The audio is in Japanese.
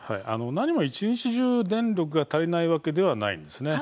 何も一日中電力が足りないわけではないんです。